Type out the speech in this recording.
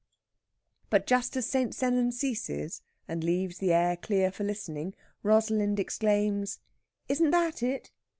But just as St. Sennan ceases, and leaves the air clear for listening, Rosalind exclaims, "Isn't that it?"